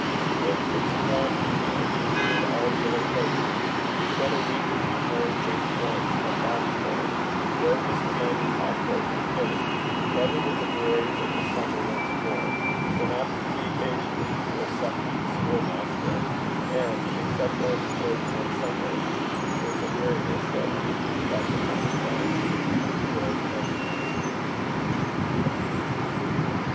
He had fits of wandering, though; visited all the old places; spent a week or two more than once at Bodyfauld; rode Mr. Lammie's half broke filly; revelled in the glories of the summer once more; went out to tea occasionally, or supped with the school master; and, except going to church on Sunday, which was a weariness to every inch of flesh upon his bones, enjoyed everything.